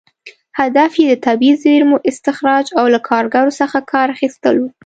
هدف یې د طبیعي زېرمو استخراج او له کارګرو څخه کار اخیستل و.